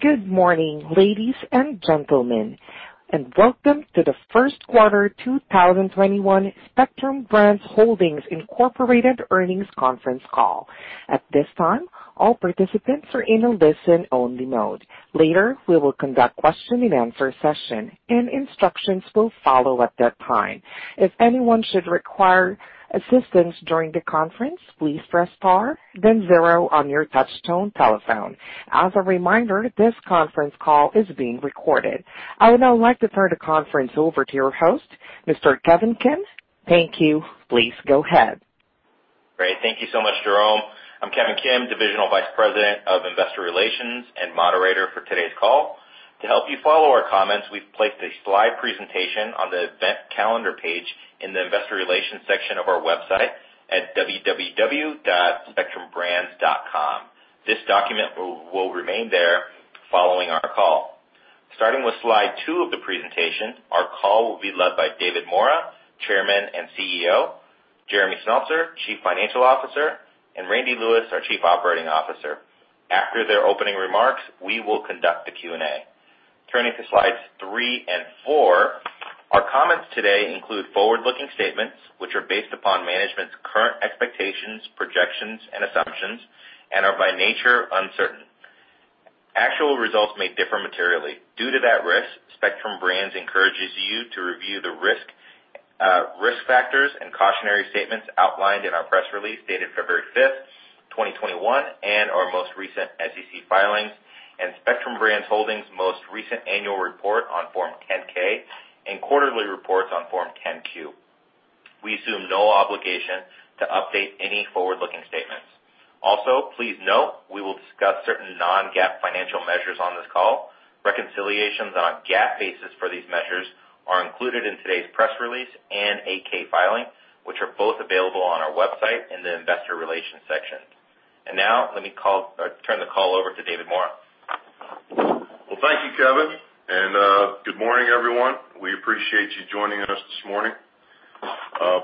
Good morning, ladies and gentlemen, and welcome to the First Quarter 2021 Spectrum Brands Holdings, Inc. Earnings Conference Call. At this time, all participants are in a listen-only mode. Later, we will conduct question and answer session, and instructions will follow at that time. If anyone should require assistance during the conference, please press star then zero on your touch tone telephone. As a reminder, this conference call is being recorded. I would now like to turn the conference over to your host, Mr. Kevin Kim. Thank you. Please go ahead. Great. Thank you so much, Jerome. I'm Kevin Kim, Divisional Vice President of Investor Relations and moderator for today's call. To help you follow our comments, we've placed a slide presentation on the event calendar page in the investor relations section of our website at www.spectrumbrands.com. This document will remain there following our call. Starting with slide two of the presentation, our call will be led by David Maura, Chairman and CEO, Jeremy Smeltser, Chief Financial Officer, and Randy Lewis, our Chief Operating Officer. After their opening remarks, we will conduct the Q&A. Turning to slides three and four, our comments today include forward-looking statements which are based upon management's current expectations, projections, and assumptions, and are by nature uncertain. Actual results may differ materially. Due to that risk, Spectrum Brands encourages you to review the risk factors and cautionary statements outlined in our press release dated February 5th, 2021, and our most recent SEC filings, and Spectrum Brands Holdings most recent annual report on Form 10-K and quarterly reports on Form 10-Q. We assume no obligation to update any forward-looking statements. Please note we will discuss certain non-GAAP financial measures on this call. Reconciliations on a GAAP basis for these measures are included in today's press release and 8-K filing, which are both available on our website in the investor relations section. Now, let me turn the call over to David Maura. Well, thank you, Kevin. Good morning, everyone. We appreciate you joining us this morning.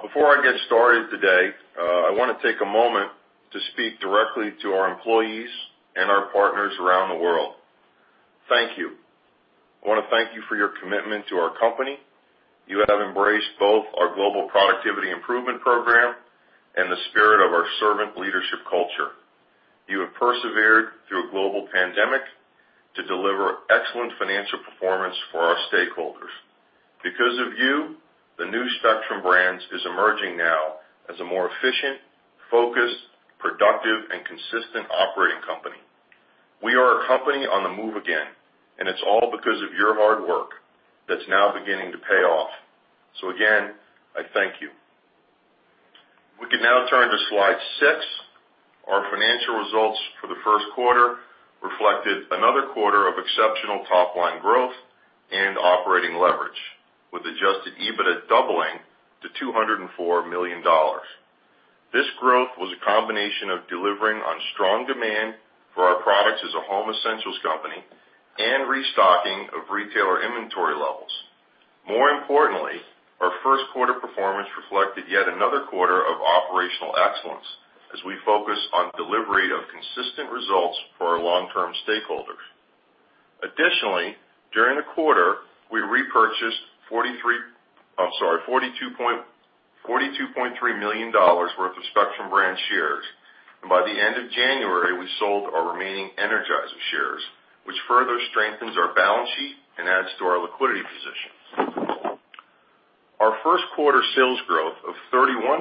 Before I get started today, I want to take a moment to speak directly to our employees and our partners around the world. Thank you. I want to thank you for your commitment to our company. You have embraced both our Global Productivity Improvement Program and the spirit of our servant leadership culture. You have persevered through a global pandemic to deliver excellent financial performance for our stakeholders. Because of you, the new Spectrum Brands is emerging now as a more efficient, focused, productive, and consistent operating company. We are a company on the move again, and it's all because of your hard work that's now beginning to pay off. Again, I thank you. We can now turn to slide six. Our financial results for the first quarter reflected another quarter of exceptional top-line growth and operating leverage, with adjusted EBITDA doubling to $204 million. This growth was a combination of delivering on strong demand for our products as a home essentials company and restocking of retailer inventory levels. More importantly, our first quarter performance reflected yet another quarter of operational excellence as we focus on delivery of consistent results for our long-term stakeholders. Additionally, during the quarter, we repurchased $42.3 million worth of Spectrum Brands shares, and by the end of January, we sold our remaining Energizer shares, which further strengthens our balance sheet and adds to our liquidity positions. Our first quarter sales growth of 31%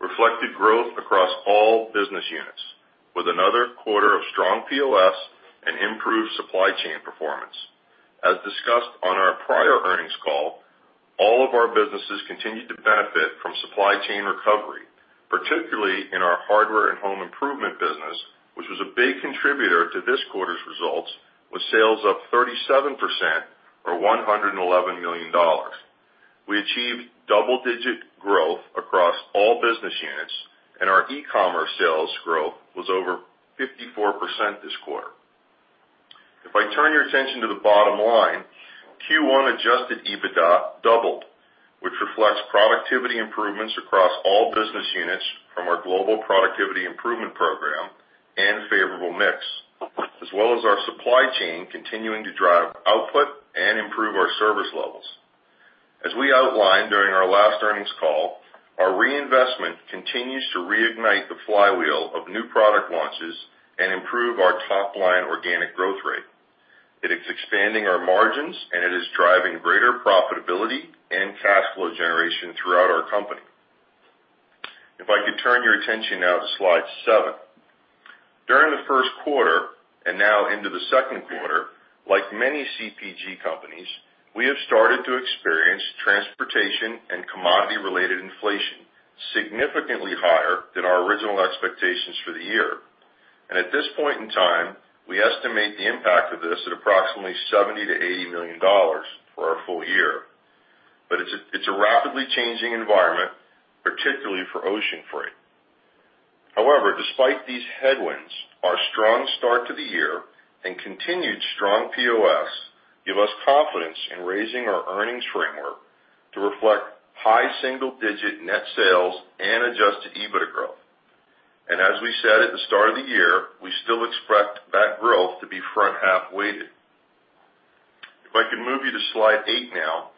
reflected growth across all business units with another quarter of strong POS and improved supply chain performance. As discussed on our prior earnings call, all of our businesses continued to benefit from supply chain recovery, particularly in our Hardware and Home Improvement business, which was a big contributor to this quarter's results, with sales up 37% or $111 million. We achieved double-digit growth across all business units, Our e-commerce sales growth was over 54% this quarter. If I turn your attention to the bottom line, Q1 adjusted EBITDA doubled, which reflects productivity improvements across all business units from our Global Productivity Improvement Program and favorable mix, as well as our supply chain continuing to drive output and improve our service levels. As we outlined during our last earnings call, our reinvestment continues to reignite the flywheel of new product launches and improve our top-line organic growth rate. It is expanding our margins, It is driving greater profitability and cash flow generation throughout our company. If I could turn your attention now to slide seven. During the first quarter and now into the second quarter, like many CPG companies, we have started to experience transportation and commodity-related inflation significantly higher than our original expectations for the year. At this point in time, we estimate the impact of this at approximately $70 million-$80 million for our full year. It's a rapidly changing environment, particularly for ocean freight. However, despite these headwinds, our strong start to the year and continued strong POS and confidence in raising our earnings framework to reflect high single-digit net sales and adjusted EBITDA growth. As we said at the start of the year, we still expect that growth to be front-half weighted. If I could move you to slide eight now.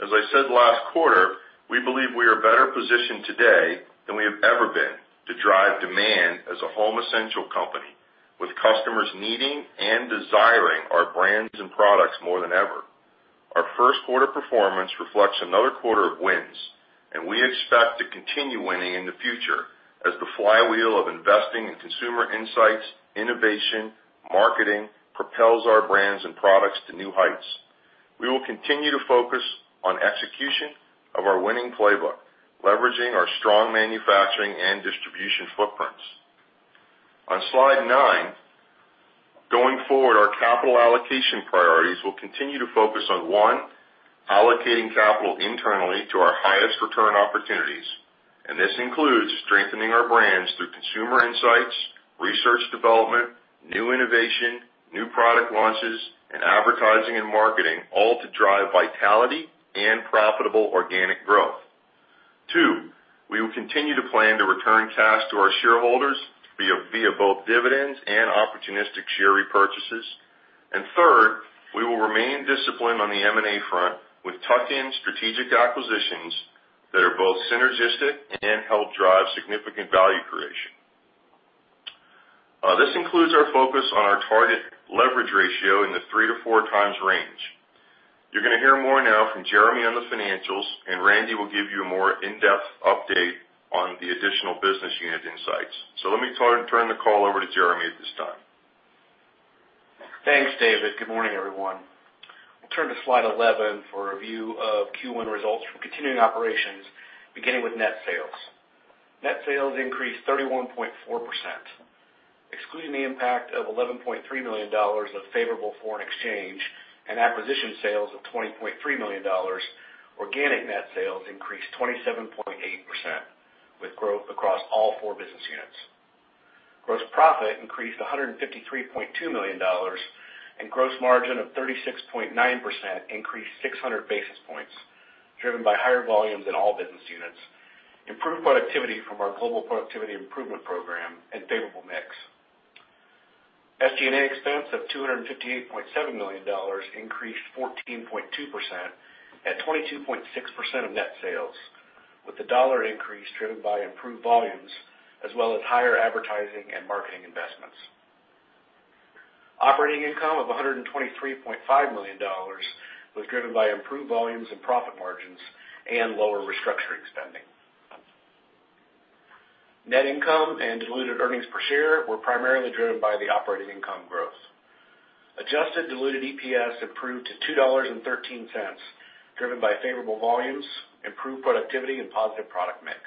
As I said last quarter, we believe we are better positioned today than we have ever been to drive demand as a home essential company, with customers needing and desiring our brands and products more than ever. Our first quarter performance reflects another quarter of wins, and we expect to continue winning in the future, as the flywheel of investing in consumer insights, innovation, marketing propels our brands and products to new heights. We will continue to focus on execution of our winning playbook, leveraging our strong manufacturing and distribution footprints. On slide nine, going forward, our capital allocation priorities will continue to focus on, one, allocating capital internally to our highest return opportunities, and this includes strengthening our brands through consumer insights, research development, new innovation, new product launches, and advertising and marketing, all to drive vitality and profitable organic growth. Two, we will continue to plan to return cash to our shareholders via both dividends and opportunistic share repurchases. Third, we will remain disciplined on the M&A front with tuck-in strategic acquisitions that are both synergistic and help drive significant value creation. This includes our focus on our target leverage ratio in the 3x-4x range. You're going to hear more now from Jeremy on the financials, and Randy will give you a more in-depth update on the additional business unit insights. Let me turn the call over to Jeremy at this time. Thanks, David. Good morning, everyone. We'll turn to slide 11 for a view of Q1 results from continuing operations, beginning with net sales. Net sales increased 31.4%, excluding the impact of $11.3 million of favorable foreign exchange and acquisition sales of $20.3 million, organic net sales increased 27.8%, with growth across all four business units. Gross profit increased to $153.2 million, and gross margin of 36.9% increased 600 basis points, driven by higher volumes in all business units, improved productivity from our Global Productivity Improvement Program and favorable mix. SG&A expense of $258.7 million, increased 14.2% at 22.6% of net sales, with the dollar increase driven by improved volumes as well as higher advertising and marketing investments. Operating income of $123.5 million was driven by improved volumes and profit margins and lower restructuring spending. Net income and diluted earnings per share were primarily driven by the operating income growth. Adjusted diluted EPS improved to $2.13, driven by favorable volumes, improved productivity, and positive product mix.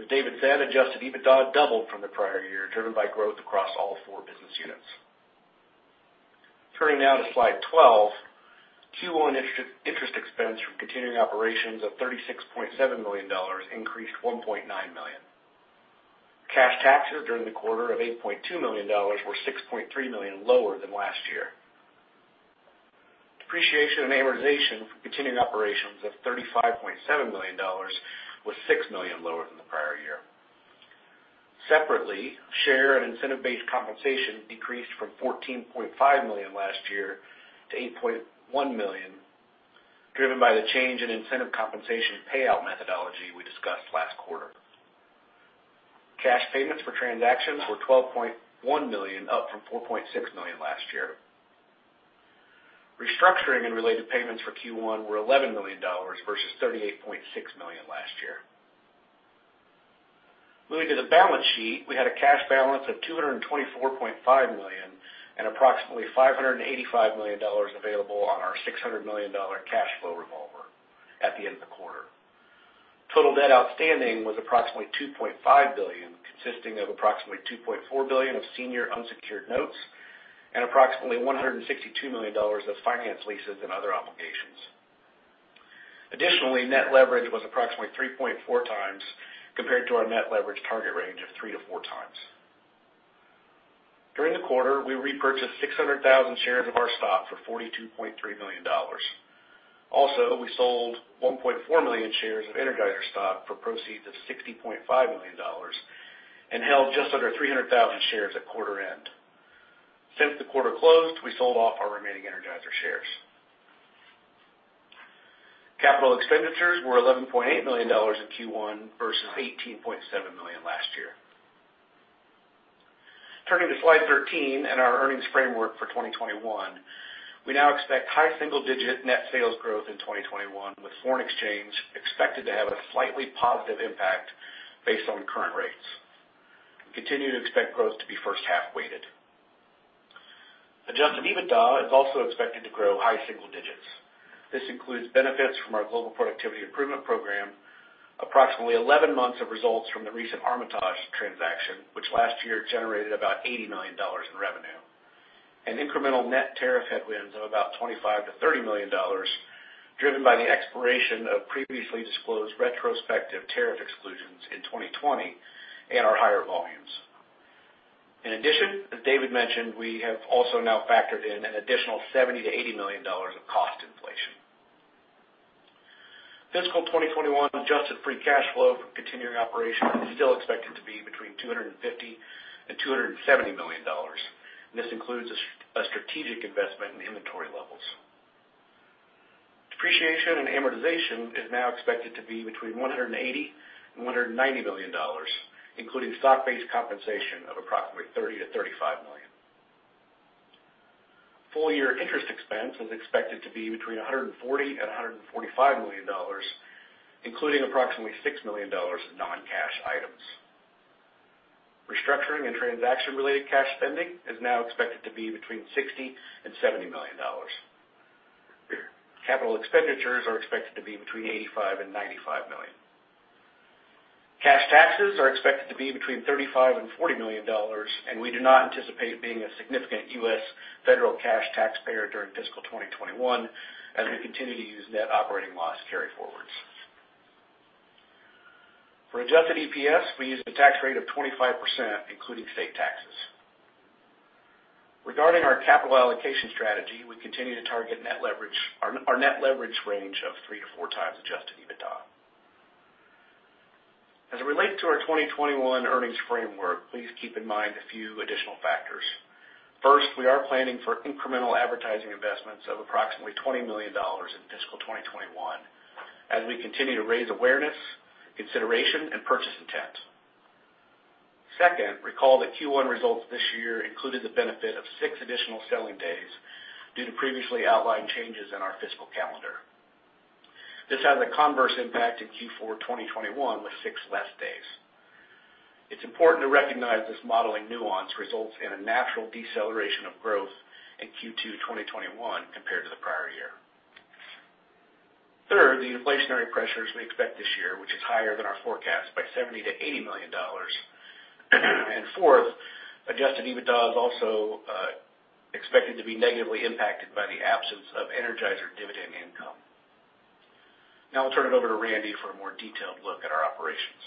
As David said, adjusted EBITDA doubled from the prior year, driven by growth across all four business units. Turning now to slide 12, Q1 interest expense from continuing operations of $36.7 million increased $1.9 million. Cash taxes during the quarter of $8.2 million were $6.3 million lower than last year. Depreciation and amortization from continuing operations of $35.7 million was $6 million lower than the prior year. Separately, share and incentive-based compensation decreased from $14.5 million last year to $8.1 million, driven by the change in incentive compensation payout methodology we discussed last quarter. Cash payments for transactions were $12.1 million, up from $4.6 million last year. Restructuring and related payments for Q1 were $11 million versus $38.6 million last year. Moving to the balance sheet, we had a cash balance of $224.5 million and approximately $585 million available on our $600 million cash flow revolver at the end of the quarter. Total debt outstanding was approximately $2.5 billion, consisting of approximately $2.4 billion of senior unsecured notes and approximately $162 million of finance leases and other obligations. Additionally, net leverage was approximately 3.4x compared to our net leverage target range of 3x or 4x. During the quarter, we repurchased 600,000 shares of our stock for $42.3 million. We sold 1.4 million shares of Energizer stock for proceeds of $60.5 million and held just under 300,000 shares at quarter end. Since the quarter closed, we sold off our remaining Energizer shares. Capital expenditures were $11.8 million in Q1 versus $18.7 million last year. Turning to slide 13 and our earnings framework for 2021, we now expect high single-digit net sales growth in 2021, with foreign exchange expected to have a slightly positive impact based on current rates. We continue to expect growth to be first half-weighted. adjusted EBITDA is also expected to grow high single digits. This includes benefits from our Global Productivity Improvement Program, approximately 11 months of results from the recent Armitage transaction, which last year generated about $80 million in revenue, and incremental net tariff headwinds of about $25 million-$30 million, driven by the expiration of previously disclosed retrospective tariff exclusions in 2020 and our higher volumes. In addition, as David mentioned, we have also now factored in an additional $70 million-$80 million of cost inflation. Fiscal 2021 adjusted free cash flow from continuing operations is still expected to be between $250 million and $270 million. This includes a strategic investment in inventory levels. Depreciation and amortization is now expected to be between $180 million-$190 million, including stock-based compensation of approximately $30 million-$35 million. Full year interest expense is expected to be between $140 million-$145 million, including approximately $6 million in non-cash items. Restructuring and transaction-related cash spending is now expected to be between $60 million-$70 million. Capital expenditures are expected to be between $85 million-$95 million. Cash taxes are expected to be between $35 million-$40 million, and we do not anticipate being a significant U.S. federal cash taxpayer during fiscal 2021, as we continue to use net operating loss carryforwards. For adjusted EPS, we use a tax rate of 25%, including state taxes. Regarding our capital allocation strategy, we continue to target our net leverage range of 3x-4x adjusted EBITDA. As it relates to our 2021 earnings framework, please keep in mind a few additional factors. First, we are planning for incremental advertising investments of approximately $20 million in fiscal 2021, as we continue to raise awareness, consideration, and purchase intent. Second, recall that Q1 results this year included the benefit of six additional selling days due to previously outlined changes in our fiscal calendar. This has a converse impact in Q4 2021 with six less days. It's important to recognize this modeling nuance results in a natural deceleration of growth in Q2 2021 compared to the prior year. Third, the inflationary pressures we expect this year, which is higher than our forecast by $70 million-$80 million. Fourth, adjusted EBITDA is also expected to be negatively impacted by the absence of Energizer dividend income. Now I'll turn it over to Randy for a more detailed look at our operations.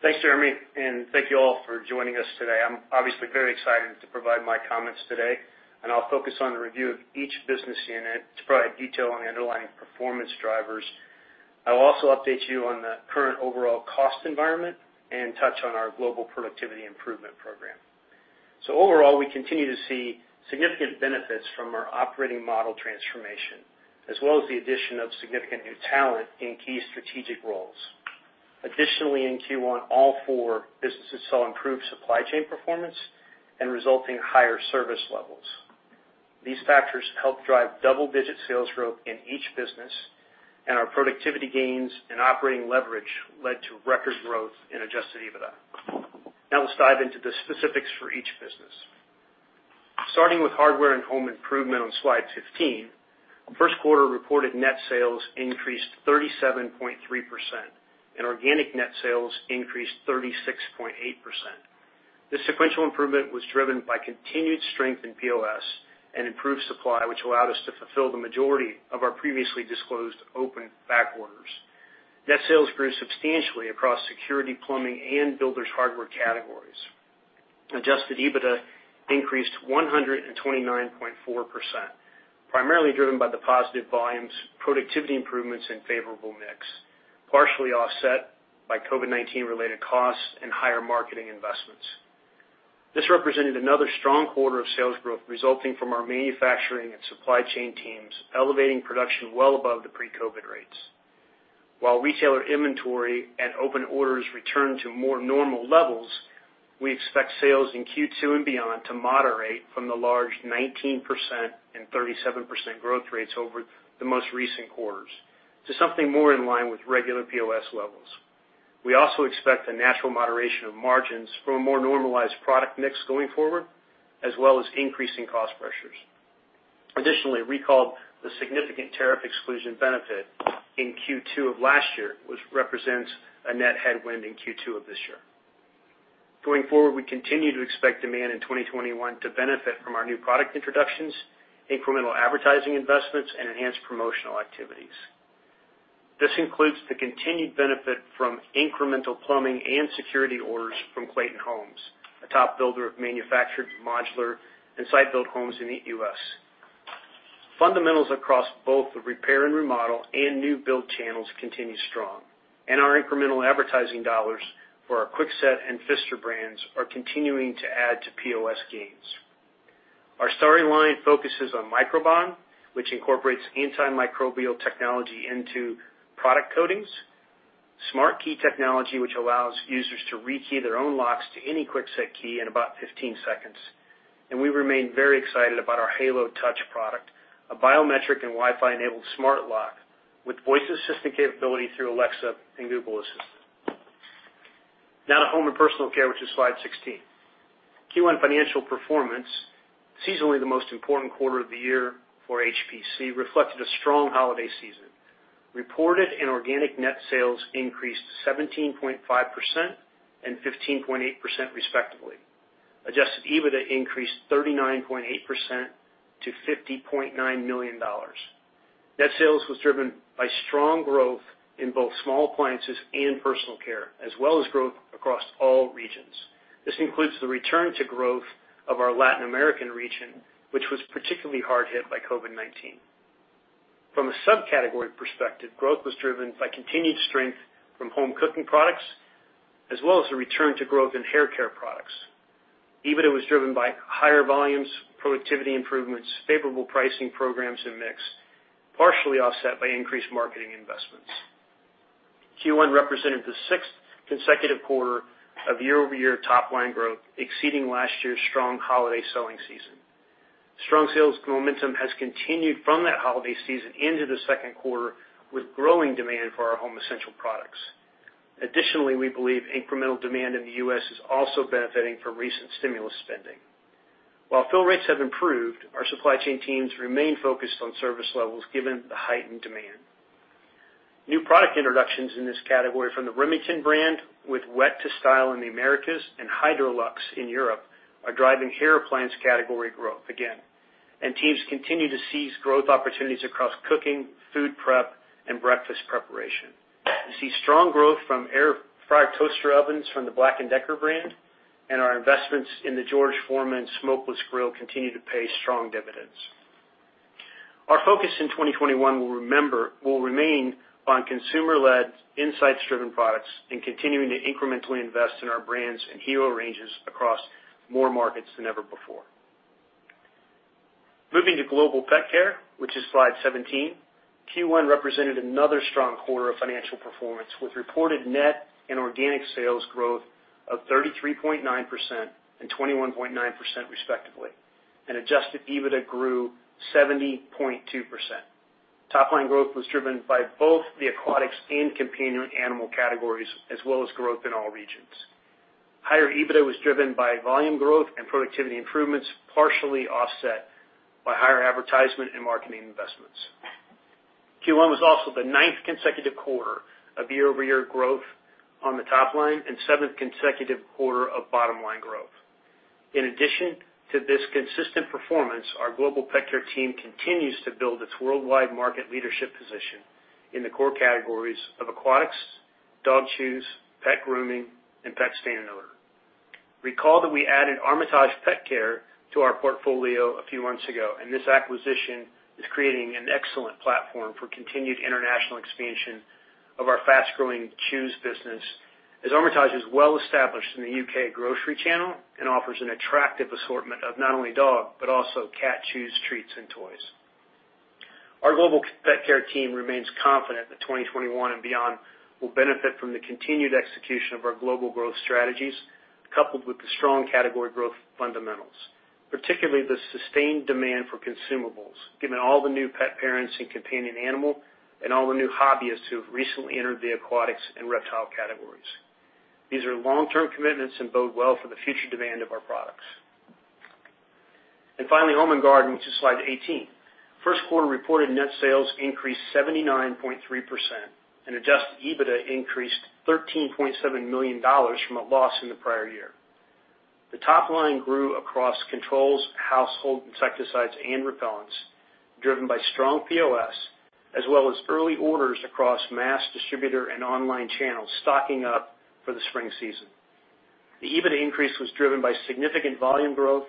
Thanks, Jeremy, and thank you all for joining us today. I'm obviously very excited to provide my comments today, and I'll focus on the review of each business unit to provide detail on the underlying performance drivers. I will also update you on the current overall cost environment and touch on our Global Productivity Improvement Program. Overall, we continue to see significant benefits from our operating model transformation, as well as the addition of significant new talent in key strategic roles. Additionally, in Q1, all four businesses saw improved supply chain performance and resulting higher service levels. These factors helped drive double-digit sales growth in each business, and our productivity gains and operating leverage led to record growth in adjusted EBITDA. Now let's dive into the specifics for each business. Starting with Hardware and Home Improvement on slide 15, first quarter reported net sales increased 37.3%, and organic net sales increased 36.8%. This sequential improvement was driven by continued strength in POS and improved supply, which allowed us to fulfill the majority of our previously disclosed open back orders. Net sales grew substantially across security, plumbing, and builders hardware categories. Adjusted EBITDA increased 129.4%, primarily driven by the positive volumes, productivity improvements, and favorable mix, partially offset by COVID-19 related costs and higher marketing investments. This represented another strong quarter of sales growth resulting from our manufacturing and supply chain teams elevating production well above the pre-COVID rates. While retailer inventory and open orders return to more normal levels, we expect sales in Q2 and beyond to moderate from the large 19% and 37% growth rates over the most recent quarters to something more in line with regular POS levels. We also expect a natural moderation of margins from a more normalized product mix going forward, as well as increasing cost pressures. Additionally, recall the significant tariff exclusion benefit in Q2 of last year, which represents a net headwind in Q2 of this year. Going forward, we continue to expect demand in 2021 to benefit from our new product introductions, incremental advertising investments, and enhanced promotional activities. This includes the continued benefit from incremental plumbing and security orders from Clayton Homes, a top builder of manufactured modular and site-built homes in the U.S. Fundamentals across both the repair and remodel and new build channels continue strong, and our incremental advertising dollars for our Kwikset and Pfister brands are continuing to add to POS gains. Our story line focuses on Microban, which incorporates antimicrobial technology into product coatings, SmartKey technology, which allows users to rekey their own locks to any Kwikset key in about 15 seconds. We remain very excited about our Halo Touch product, a biometric and Wi-Fi enabled smart lock with voice assistant capability through Alexa and Google Assistant. Now to Home & Personal Care, which is slide 16. Q1 financial performance, seasonally the most important quarter of the year for HPC, reflected a strong holiday season. Reported and organic net sales increased 17.5% and 15.8% respectively. Adjusted EBITDA increased 39.8% to $50.9 million. Net sales was driven by strong growth in both small appliances and personal care, as well as growth across all regions. This includes the return to growth of our Latin American region, which was particularly hard hit by COVID-19. From a subcategory perspective, growth was driven by continued strength from home cooking products, as well as the return to growth in hair care products. EBITDA was driven by higher volumes, productivity improvements, favorable pricing programs, and mix, partially offset by increased marketing investments. Q1 represented the sixth consecutive quarter of year-over-year top line growth, exceeding last year's strong holiday selling season. Strong sales momentum has continued from that holiday season into the second quarter, with growing demand for our home essential products. Additionally, we believe incremental demand in the U.S. is also benefiting from recent stimulus spending. While fill rates have improved, our supply chain teams remain focused on service levels given the heightened demand. New product introductions in this category from the Remington brand, with Wet2Style in the Americas and Hydraluxe in Europe, are driving hair appliance category growth again, and teams continue to seize growth opportunities across cooking, food prep, and breakfast preparation. We see strong growth from air fryer toaster ovens from the BLACK+DECKER brand, and our investments in the George Foreman Smokeless Grill continue to pay strong dividends. Our focus in 2021 will remain on consumer-led, insights-driven products and continuing to incrementally invest in our brands and hero ranges across more markets than ever before. Moving to Global Pet Care, which is slide 17, Q1 represented another strong quarter of financial performance, with reported net and organic sales growth of 33.9% and 21.9% respectively, and adjusted EBITDA grew 70.2%. Top line growth was driven by both the aquatics and companion animal categories, as well as growth in all regions. Higher EBITDA was driven by volume growth and productivity improvements, partially offset by higher advertisement and marketing investments. Q1 was also the ninth consecutive quarter of year-over-year growth on the top line and seventh consecutive quarter of bottom-line growth. In addition to this consistent performance, our Global Pet Care team continues to build its worldwide market leadership position in the core categories of aquatics, dog chews, pet grooming, and pet stain and odor. Recall that we added Armitage Pet Care to our portfolio a few months ago, and this acquisition is creating an excellent platform for continued international expansion of our fast-growing chews business, as Armitage is well established in the U.K. grocery channel and offers an attractive assortment of not only dog, but also cat chews, treats, and toys. Our Global Pet Care team remains confident that 2021 and beyond will benefit from the continued execution of our global growth strategies, coupled with the strong category growth fundamentals, particularly the sustained demand for consumables, given all the new pet parents in companion animal and all the new hobbyists who have recently entered the aquatics and reptile categories. These are long-term commitments and bode well for the future demand of our products. Finally, Home and Garden, which is slide 18. First quarter reported net sales increased 79.3%, and adjusted EBITDA increased $13.7 million from a loss in the prior year. The top line grew across controls, household insecticides, and repellents, driven by strong POS, as well as early orders across mass distributor and online channels stocking up for the spring season. The EBITDA increase was driven by significant volume growth,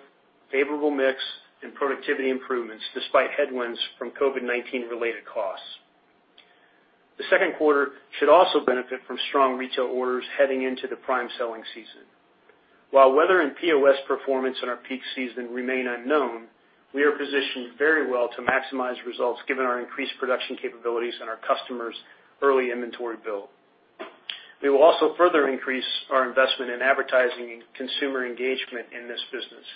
favorable mix, and productivity improvements, despite headwinds from COVID-19 related costs. The second quarter should also benefit from strong retail orders heading into the prime selling season. While weather and POS performance in our peak season remain unknown, we are positioned very well to maximize results given our increased production capabilities and our customers' early inventory build. We will also further increase our investment in advertising and consumer engagement in this business,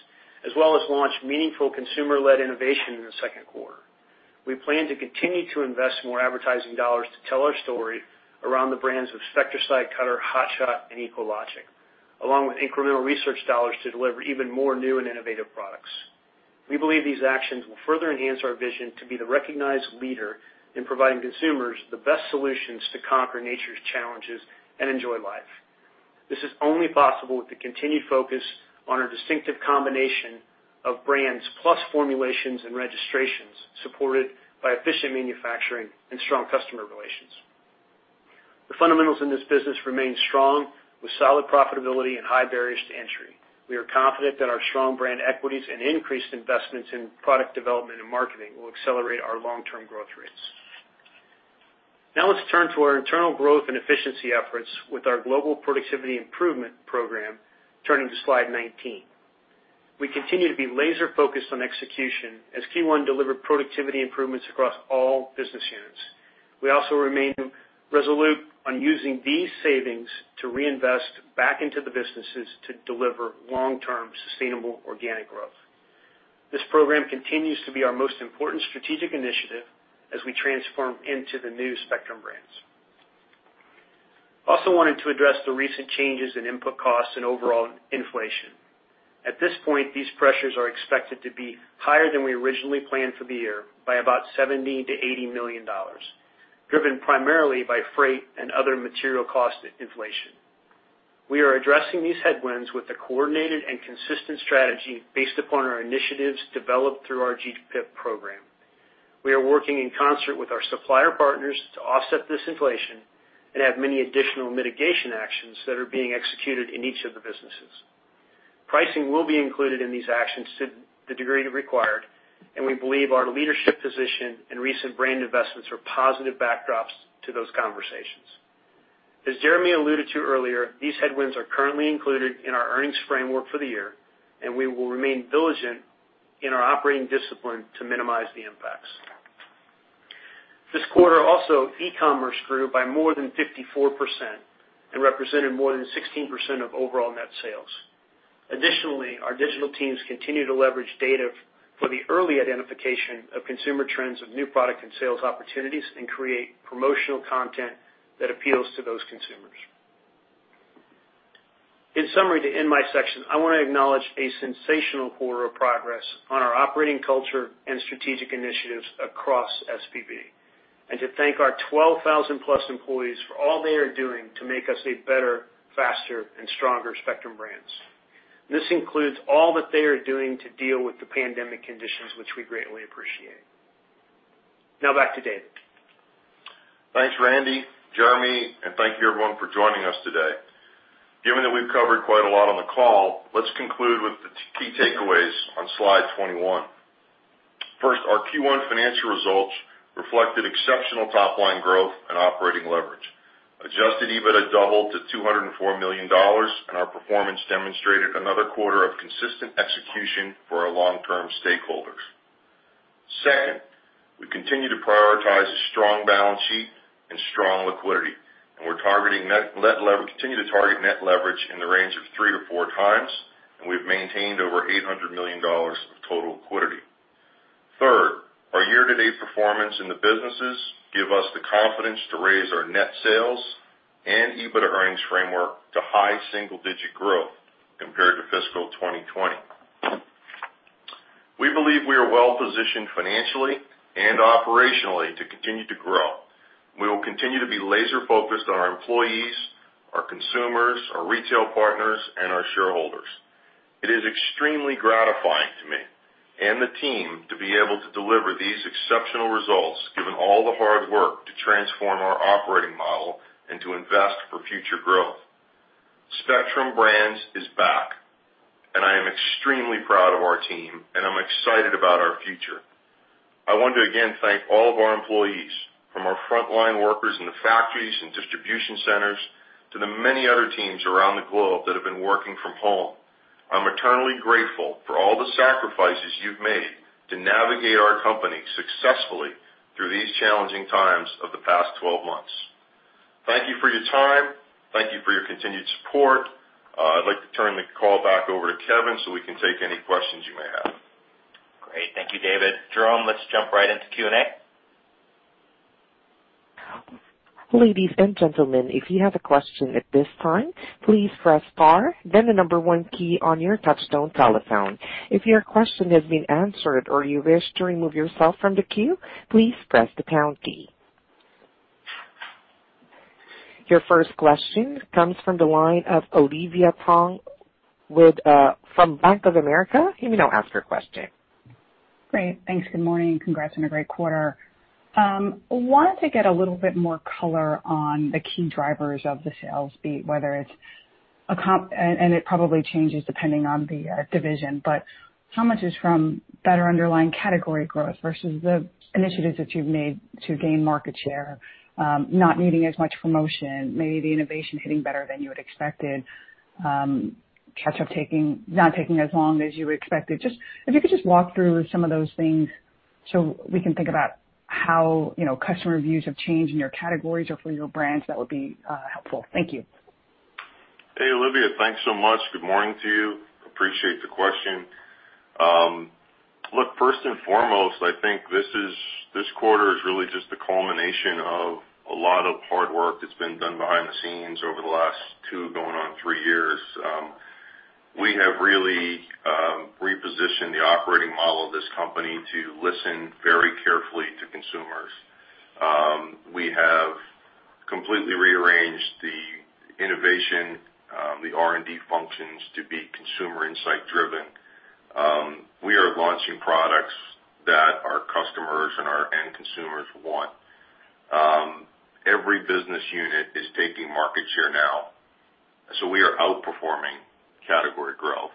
as well as launch meaningful consumer-led innovation in the second quarter. We plan to continue to invest more advertising dollars to tell our story around the brands of Spectracide, Cutter, Hot Shot, and EcoLogic, along with incremental research dollars to deliver even more new and innovative products. We believe these actions will further enhance our vision to be the recognized leader in providing consumers the best solutions to conquer nature's challenges and enjoy life. This is only possible with the continued focus on our distinctive combination of brands plus formulations and registrations supported by efficient manufacturing and strong customer relations. The fundamentals in this business remain strong with solid profitability and high barriers to entry. We are confident that our strong brand equities and increased investments in product development and marketing will accelerate our long-term growth rates. Now let's turn to our internal growth and efficiency efforts with our Global Productivity Improvement Program, turning to slide 19. We continue to be laser-focused on execution as Q1 delivered productivity improvements across all business units. We also remain resolute on using these savings to reinvest back into the businesses to deliver long-term, sustainable organic growth. This program continues to be our most important strategic initiative as we transform into the new Spectrum Brands. We also wanted to address the recent changes in input costs and overall inflation. At this point, these pressures are expected to be higher than we originally planned for the year by about $70 million-$80 million, driven primarily by freight and other material cost inflation. We are addressing these headwinds with a coordinated and consistent strategy based upon our initiatives developed through our GPIP program. We are working in concert with our supplier partners to offset this inflation and have many additional mitigation actions that are being executed in each of the businesses. Pricing will be included in these actions to the degree required, and we believe our leadership position and recent brand investments are positive backdrops to those conversations. As Jeremy alluded to earlier, these headwinds are currently included in our earnings framework for the year. We will remain diligent in our operating discipline to minimize the impacts. This quarter also, e-commerce grew by more than 54% and represented more than 16% of overall net sales. Our digital teams continue to leverage data for the early identification of consumer trends of new product and sales opportunities and create promotional content that appeals to those consumers. In summary, to end my section, I want to acknowledge a sensational quarter of progress on our operating culture and strategic initiatives across SPB, and to thank our 12,000+ employees for all they are doing to make us a better, faster, and stronger Spectrum Brands. This includes all that they are doing to deal with the pandemic conditions, which we greatly appreciate. Back to David. Thanks, Randy, Jeremy, and thank you, everyone, for joining us today. Given that we've covered quite a lot on the call, let's conclude with the key takeaways on slide 21. First, our Q1 financial results reflected exceptional top-line growth and operating leverage. adjusted EBITDA doubled to $204 million, and our performance demonstrated another quarter of consistent execution for our long-term stakeholders. Second, we continue to prioritize a strong balance sheet and strong liquidity, and we continue to target net leverage in the range of three to four times, and we've maintained over $800 million of total liquidity. Third, our year-to-date performance in the businesses give us the confidence to raise our net sales and EBITDA earnings framework to high single-digit growth compared to fiscal 2020. We believe we are well-positioned financially and operationally to continue to grow. We will continue to be laser-focused on our employees, our consumers, our retail partners, and our shareholders. It is extremely gratifying to me and the team to be able to deliver these exceptional results, given all the hard work to transform our operating model and to invest for future growth. Spectrum Brands is back, and I am extremely proud of our team, and I'm excited about our future. I want to again thank all of our employees, from our frontline workers in the factories and distribution centers to the many other teams around the globe that have been working from home. I'm eternally grateful for all the sacrifices you've made to navigate our company successfully through these challenging times of the past 12 months. Thank you for your time. Thank you for your continued support. I'd like to turn the call back over to Kevin so we can take any questions you may have. Great. Thank you, David. Jerome, let's jump right into Q&A. Ladies and gentlemen, if you have a question at this time, please press star then the number one key on your touchtone telephone. If your question has been answered or you wish to remove yourself from the queue, please press the pound key. Your first question comes from the line of Olivia Tong from Bank of America. You may now ask your question. Great. Thanks. Good morning, congrats on a great quarter. Wanted to get a little bit more color on the key drivers of the sales beat. It probably changes depending on the division. How much is from better underlying category growth versus the initiatives that you've made to gain market share, not needing as much promotion, maybe the innovation hitting better than you had expected, catch-up not taking as long as you expected? If you could just walk through some of those things so we can think about how customer views have changed in your categories or for your brands, that would be helpful. Thank you. Hey, Olivia. Thanks so much. Good morning to you. Appreciate the question. First and foremost, I think this quarter is really just the culmination of a lot of hard work that's been done behind the scenes over the last two, going on three years. We have really repositioned the operating model of this company to listen very carefully to consumers. We have completely rearranged the innovation, the R&D functions to be consumer insight driven. We are launching products that our customers and our end consumers want. Every business unit is taking market share now. We are outperforming category growth.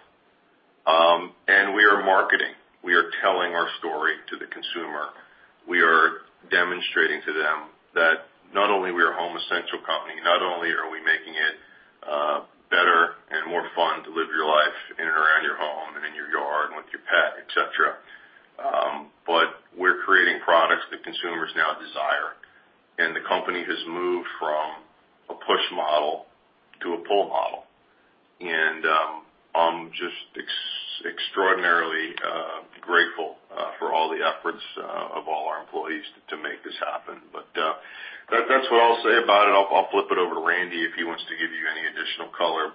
We are marketing. We are telling our story to the consumer. We are demonstrating to them that not only we're a home essential company, not only are we making it better and more fun to live your life in and around your home and in your yard and with your pet, et cetera, but we're creating products that consumers now desire. The company has moved from a push model to a pull model. I'm just extraordinarily grateful for all the efforts of all our employees to make this happen. That's what I'll say about it. I'll flip it over to Randy if he wants to give you any additional color.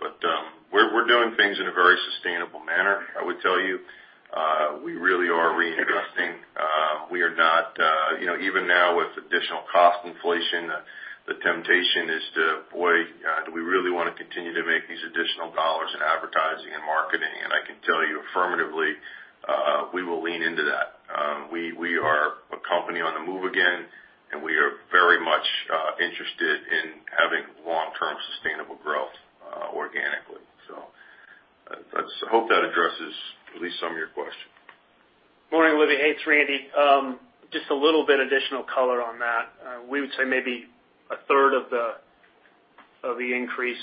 We really are reinvesting. Even now with additional cost inflation, the temptation is to, "Boy, do we really want to continue to make these additional dollars in advertising and marketing?" I can tell you affirmatively, we will lean into that. We are a company on the move again. We are very much interested in having long-term sustainable growth organically. I hope that addresses at least some of your question. Morning, Olivia. Hey, it's Randy. Just a little bit additional color on that. We would say maybe a third of the increase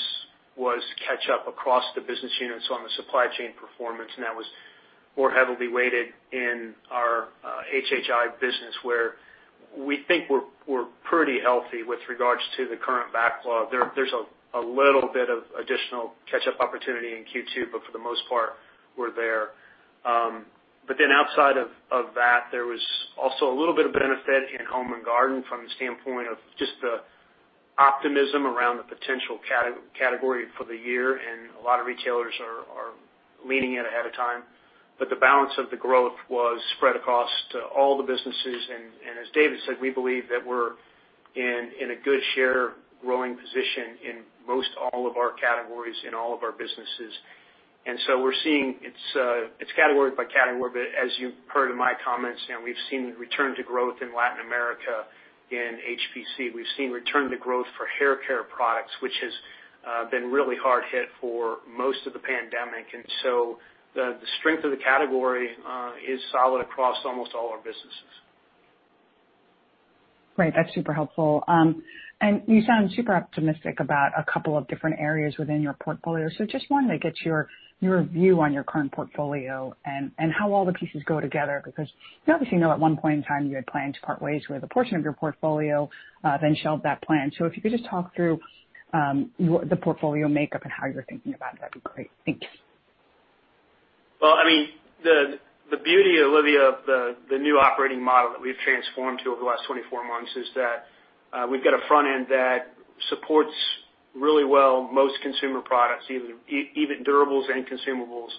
was catch up across the business units on the supply chain performance. That was more heavily weighted in our HHI business, where we think we're pretty healthy with regards to the current backlog. There's a little bit of additional catch-up opportunity in Q2. For the most part, we're there. Outside of that, there was also a little bit of benefit in Home & Garden from the standpoint of just the optimism around the potential category for the year. A lot of retailers are leaning in ahead of time. The balance of the growth was spread across to all the businesses. As David said, we believe that we're in a good share-growing position in most all of our categories in all of our businesses. We're seeing it's category by category, but as you've heard in my comments, and we've seen return to growth in Latin America, in HPC. We've seen return to growth for hair care products, which has been really hard hit for most of the pandemic. The strength of the category is solid across almost all our businesses. Great. That's super helpful. You sound super optimistic about a couple of different areas within your portfolio. Just wanted to get your view on your current portfolio and how all the pieces go together. Obviously, you know at one point in time you had planned to part ways with a portion of your portfolio, then shelved that plan. If you could just talk through the portfolio makeup and how you're thinking about it, that'd be great. Thank you. Well, the beauty, Olivia, of the new operating model that we've transformed to over the last 24 months is that we've got a front end that supports really well most consumer products, even durables and consumables.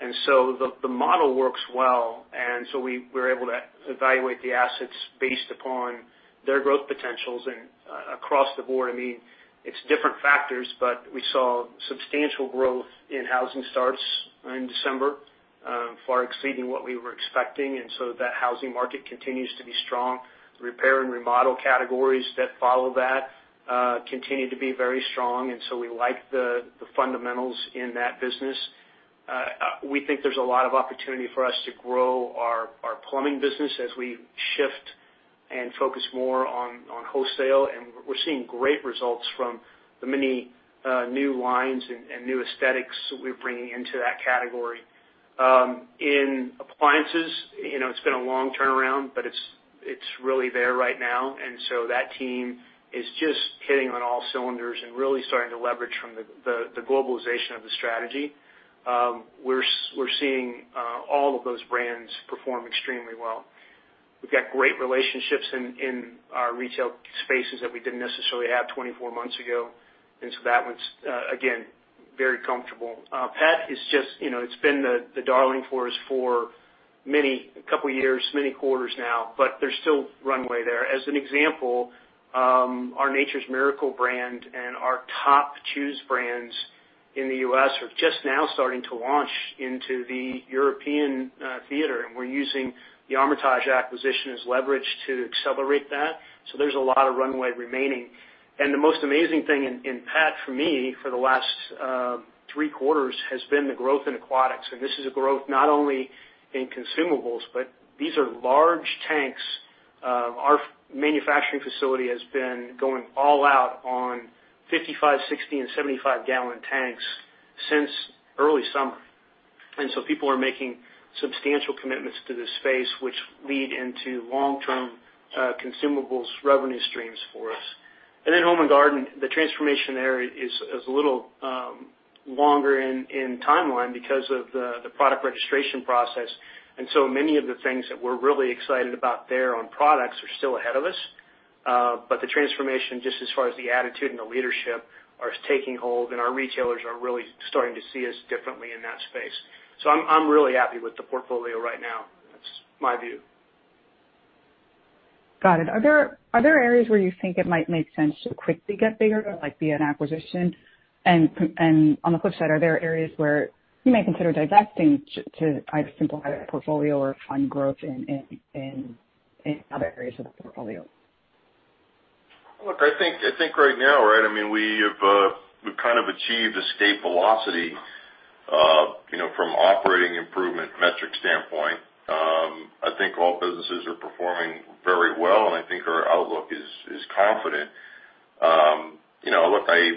The model works well, and so we're able to evaluate the assets based upon their growth potentials and across the board. It's different factors. We saw substantial growth in housing starts in December, far exceeding what we were expecting. That housing market continues to be strong. The repair and remodel categories that follow that continue to be very strong, and so we like the fundamentals in that business. We think there's a lot of opportunity for us to grow our plumbing business as we shift and focus more on wholesale. We're seeing great results from the many new lines and new aesthetics that we're bringing into that category. In appliances, it's been a long turnaround, but it's really there right now. That team is just hitting on all cylinders and really starting to leverage from the globalization of the strategy. We're seeing all of those brands perform extremely well. We've got great relationships in our retail spaces that we didn't necessarily have 24 months ago. That one's, again, very comfortable. Pet, it's been the darling for us for a couple of years, many quarters now, but there's still runway there. As an example, our Nature's Miracle brand and our Top Chews brands in the U.S. are just now starting to launch into the European theater, and we're using the Armitage acquisition as leverage to accelerate that. There's a lot of runway remaining. The most amazing thing in Pet for me for the last three quarters has been the growth in aquatics. This is a growth not only in consumables, but these are large tanks. Our manufacturing facility has been going all out on 55, 60, and 75-gallon tanks since early summer. People are making substantial commitments to this space, which lead into long-term consumables revenue streams for us. Home & Garden, the transformation there is a little longer in timeline because of the product registration process. Many of the things that we're really excited about there on products are still ahead of us. The transformation, just as far as the attitude and the leadership, are taking hold, and our retailers are really starting to see us differently in that space. I'm really happy with the portfolio right now. That's my view. Got it. Are there areas where you think it might make sense to quickly get bigger, like via an acquisition? On the flip side, are there areas where you may consider divesting to either simplify the portfolio or find growth in other areas of the portfolio? I think right now, we've kind of achieved escape velocity from operating improvement metric standpoint. I think all businesses are performing very well. I think our outlook is confident.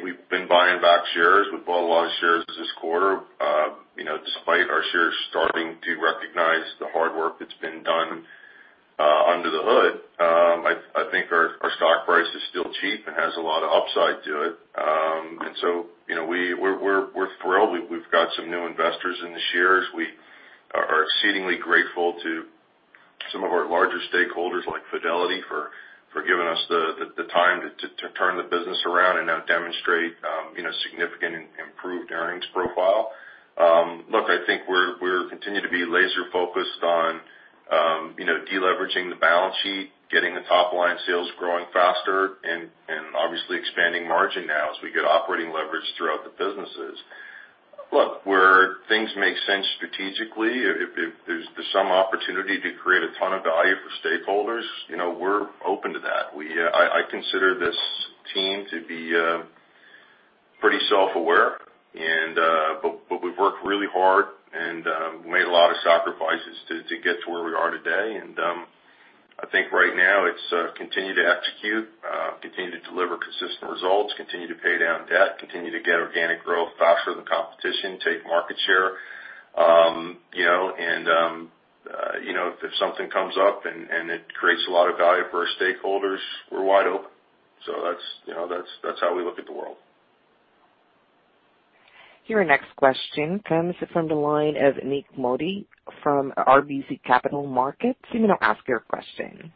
We've been buying back shares. We bought a lot of shares this quarter. Despite our shares starting to recognize the hard work that's been done under the hood, I think our stock price is still cheap and has a lot of upside to it. We're thrilled. We've got some new investors in the shares. We are exceedingly grateful to some of our larger stakeholders like Fidelity for giving us the time to turn the business around and now demonstrate significant improved earnings profile. I think we're continuing to be laser-focused on de-leveraging the balance sheet, getting the top-line sales growing faster, and obviously expanding margin now as we get operating leverage throughout the businesses. Look, where things make sense strategically, if there's some opportunity to create a ton of value for stakeholders, we're open to that. I consider this team to be pretty self-aware. We've worked really hard and made a lot of sacrifices to get to where we are today. I think right now it's continue to execute, continue to deliver consistent results, continue to pay down debt, continue to get organic growth faster than competition, take market share. If something comes up and it creates a lot of value for our stakeholders, we're wide open. That's how we look at the world. Your next question comes from the line of Nik Modi from RBC Capital Markets. You may now ask your question.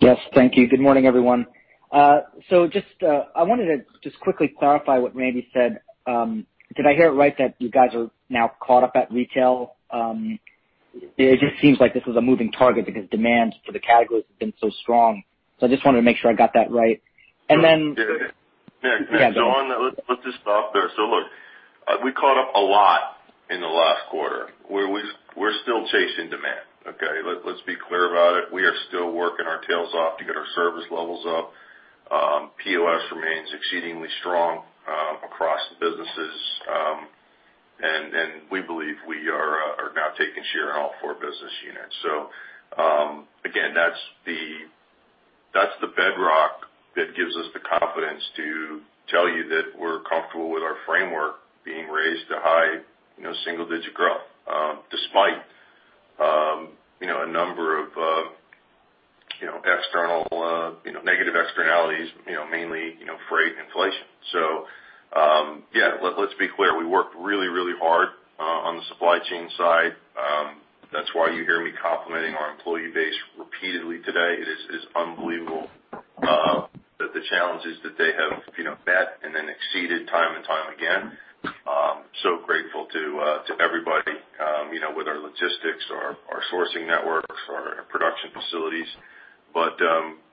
Yes, thank you. Good morning, everyone. I wanted to just quickly clarify what Randy said. Did I hear it right that you guys are now caught up at retail? It just seems like this was a moving target because demand for the categories has been so strong. I just wanted to make sure I got that right. Yeah. Nik, let's just stop there. Look, we caught up a lot in the last quarter. We're still chasing demand, okay. Let's be clear about it. We are still working our tails off to get our service levels up. POS remains exceedingly strong across the businesses, and we believe we are now taking share in all four business units. Again, that's the bedrock that gives us the confidence to tell you that we're comfortable with our framework being raised to high single-digit growth, despite a number of negative externalities, mainly freight inflation. Yeah, let's be clear. We worked really, really hard on the supply chain side. That's why you hear me complimenting our employee base repeatedly today. It is unbelievable the challenges that they have met and then exceeded time and time again. Grateful to everybody with our logistics, our sourcing networks, our production facilities.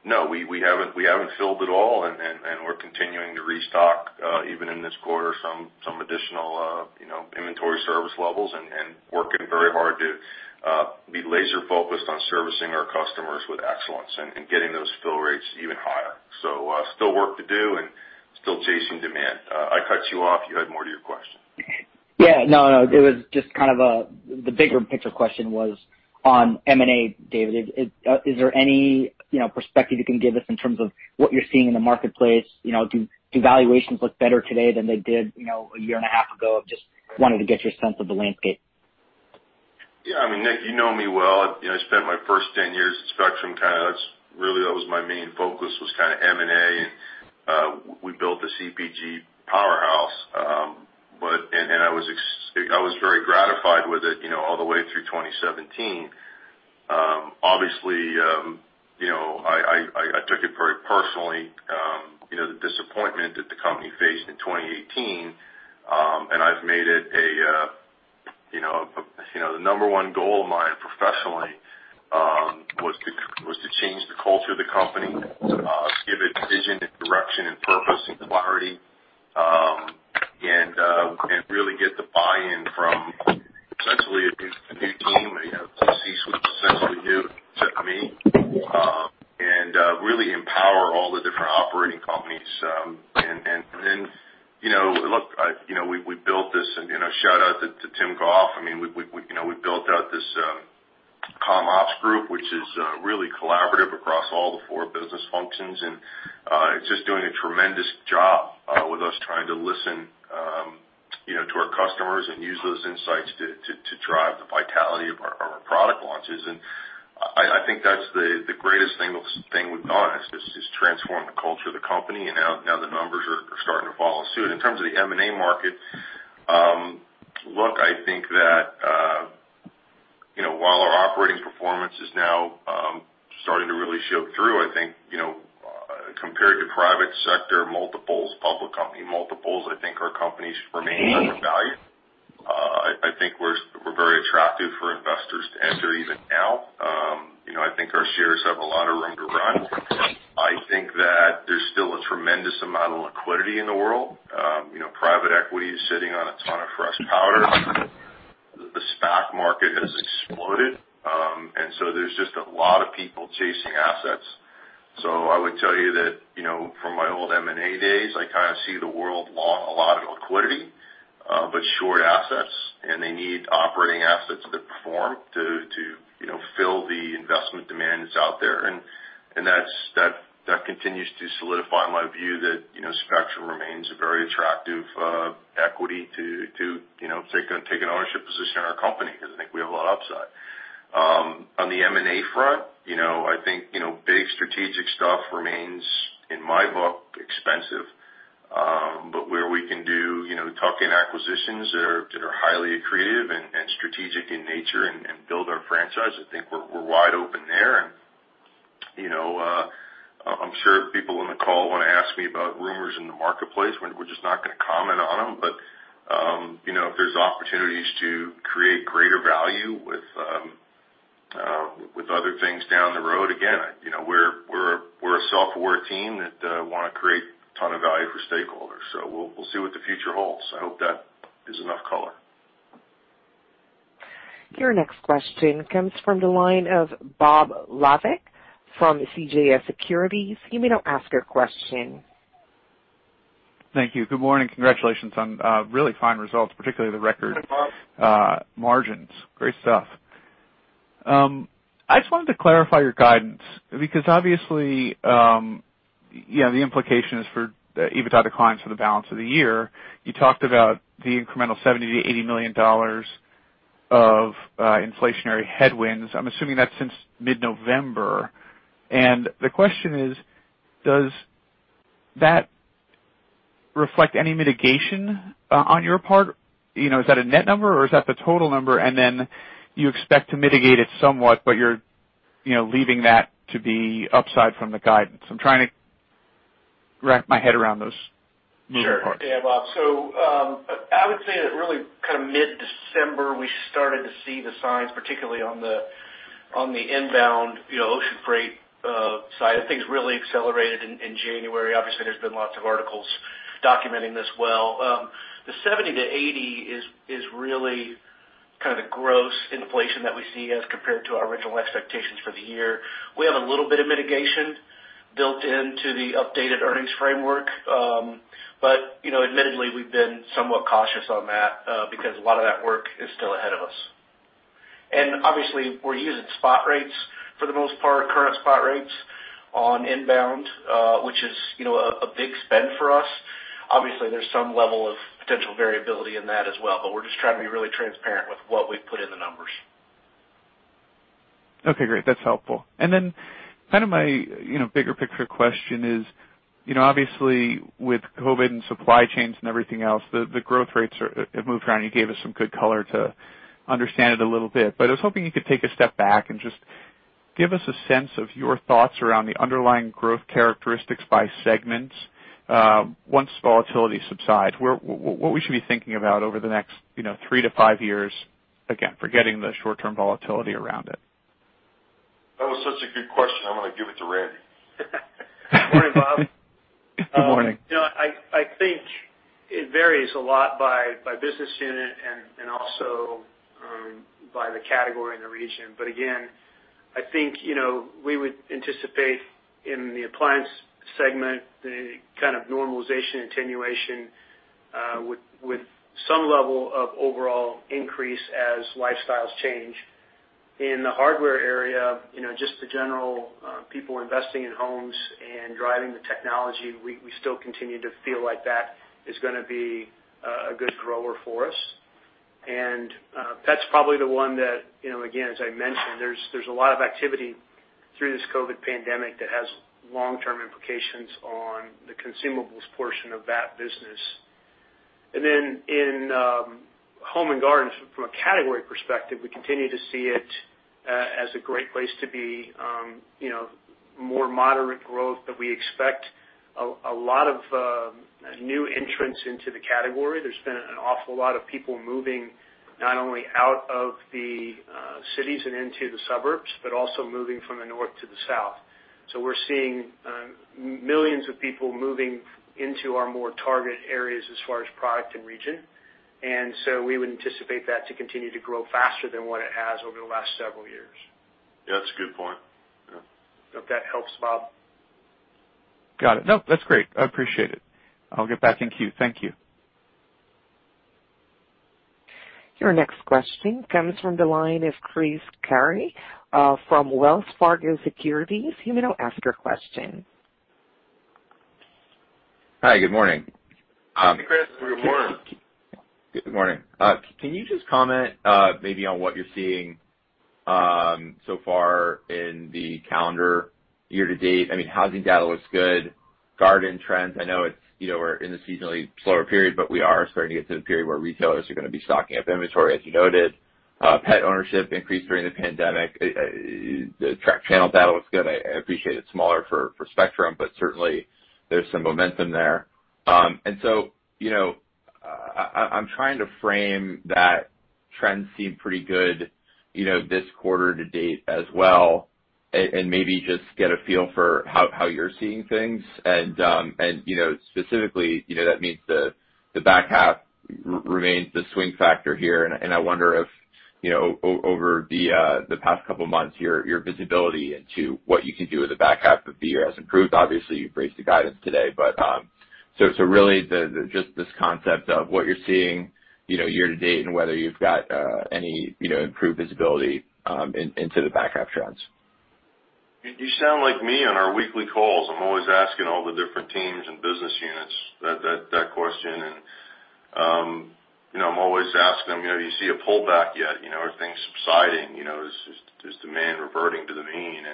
No, we haven't filled it all, and we're continuing to restock, even in this quarter, some additional inventory service levels and working very hard to be laser-focused on servicing our customers with excellence and getting those fill rates even higher. Still work to do and still chasing demand. I cut you off. You had more to your question. Yeah. No, it was just kind of the bigger picture question was on M&A, David. Is there any perspective you can give us in terms of what you're seeing in the marketplace? Do valuations look better today than they did a year and a half ago? I just wanted to get your sense of the landscape. Yeah. Nik, you know me well. I spent my first 10 years at Spectrum, kind of that's really my main focus was M&A, we built a CPG powerhouse. I was very gratified with it all the way through 2017. Obviously, I took it very personally the disappointment that the company faced in 2018. I've made it the number 1 goal of mine professionally was to change the culture of the company, give it vision and direction and purpose and clarity, really get the buy-in from essentially a new team, a C-suite that's essentially new except me, really empower all the different operating companies. Look, we built this, shout out to Tim Goff. We built out this Commercial Operations Group, which is really collaborative across all the four business functions, and it's just doing a tremendous job with us trying to listen to our customers and use those insights to drive the vitality of our product launches. I think that's the greatest thing we've done is transform the culture of the company, and now the numbers are starting to follow suit. In terms of the M&A market, look, I think that while our operating performance is now starting to really show through, I think compared to private sector multiples, public company multiples, I think our company should remain undervalued. I think we're very attractive for investors to enter even now. I think our shares have a lot of room to run. I think that there's still a tremendous amount of liquidity in the world. Private equity is sitting on a ton of fresh powder. The stock market has exploded, there's just a lot of people chasing assets. I would tell you that from my old M&A days, I kind of see the world long a lot of liquidity, but short assets, and they need operating assets that perform to fill the investment demand that's out there. That continues to solidify my view that Spectrum remains a very attractive equity to take an ownership position in our company because I think we have a lot of upside. On the M&A front, I think big strategic stuff remains, in my book, expensive positions that are highly accretive and strategic in nature and build our franchise. I think we're wide open there. I'm sure people on the call want to ask me about rumors in the marketplace. We're just not going to comment on them. If there's opportunities to create greater value with other things down the road, again, we're a self-aware team that want to create a ton of value for stakeholders. We'll see what the future holds. I hope that is enough color. Your next question comes from the line of Bob Labick from CJS Securities. You may now ask your question. Thank you. Good morning. Congratulations on really fine results, particularly the record- Good morning, Bob margins. Great stuff. I just wanted to clarify your guidance because obviously, the implication is for the EBITDA declines for the balance of the year. You talked about the incremental $70 million-$80 million of inflationary headwinds. I'm assuming that's since mid-November. The question is: Does that reflect any mitigation on your part? Is that a net number or is that the total number, and then you expect to mitigate it somewhat, but you're leaving that to be upside from the guidance? I'm trying to wrap my head around those moving parts. Sure. Yeah, Bob. I would say that really mid-December, we started to see the signs, particularly on the inbound ocean freight side of things really accelerated in January. Obviously, there's been lots of articles documenting this well. The $70 to $80 is really the gross inflation that we see as compared to our original expectations for the year. We have a little bit of mitigation built into the updated earnings framework. Admittedly, we've been somewhat cautious on that, because a lot of that work is still ahead of us. Obviously, we're using spot rates, for the most part, current spot rates on inbound, which is a big spend for us. Obviously, there's some level of potential variability in that as well, but we're just trying to be really transparent with what we've put in the numbers. Okay, great. That's helpful. My bigger picture question is, obviously with COVID-19 and supply chains and everything else, the growth rates have moved around. You gave us some good color to understand it a little bit. I was hoping you could take a step back and just give us a sense of your thoughts around the underlying growth characteristics by segments once volatility subsides. What we should be thinking about over the next three to five years, again, forgetting the short-term volatility around it. That was such a good question. I'm going to give it to Randy. Good morning, Bob. Good morning. I think it varies a lot by business unit and also by the category and the region. Again, I think, we would anticipate in the appliance segment, the kind of normalization, attenuation with some level of overall increase as lifestyles change. In the hardware area, just the general people investing in homes and driving the technology, we still continue to feel like that is going to be a good grower for us. Pets is probably the one that, again, as I mentioned, there's a lot of activity through this COVID pandemic that has long-term implications on the consumables portion of that business. In Home & Garden, from a category perspective, we continue to see it as a great place to be. More moderate growth, we expect a lot of new entrants into the category. There's been an awful lot of people moving not only out of the cities and into the suburbs, but also moving from the north to the south. We're seeing millions of people moving into our more target areas as far as product and region. We would anticipate that to continue to grow faster than what it has over the last several years. Yeah, that's a good point. Yeah. Hope that helps, Bob. Got it. Nope, that's great. I appreciate it. I'll get back in queue. Thank you. Your next question comes from the line of Chris Carey from Wells Fargo Securities. Hi, good morning. Hey, Chris. Good morning. Good morning. Can you just comment maybe on what you're seeing so far in the calendar year to date? Housing data looks good. Garden trends, I know we're in the seasonally slower period, but we are starting to get to the period where retailers are gonna be stocking up inventory, as you noted. Pet ownership increased during the pandemic. The track channel data looks good. I appreciate it's smaller for Spectrum, but certainly there's some momentum there. I'm trying to frame that trends seem pretty good this quarter to date as well and maybe just get a feel for how you're seeing things. Specifically, that means the back half remains the swing factor here, and I wonder if over the past couple of months, your visibility into what you can do with the back half of the year has improved. Obviously, you've raised the guidance today. Really, just this concept of what you're seeing year-to-date and whether you've got any improved visibility into the back half trends. You sound like me on our weekly calls. I'm always asking all the different teams and business units that question. I'm always asking them, "Do you see a pullback yet? Are things subsiding? Is demand reverting to the mean?"